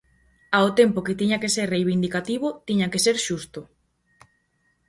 Ao tempo que tiña que ser reivindicativo, tiña que ser xusto.